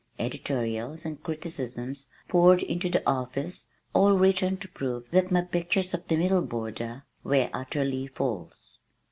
Editorials and criticisms poured into the office, all written to prove that my pictures of the middle border were utterly false.